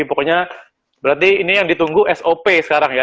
pokoknya berarti ini yang ditunggu sop sekarang ya